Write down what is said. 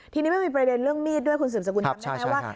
ทีนี้ไม่มีประเด็นเรื่องมีดด้วยคุณสืบสกุลจำได้ไหมว่า